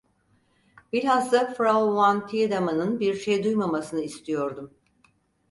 Bilhassa Frau van Tiedemann'ın bir şey duymamasını istiyordum.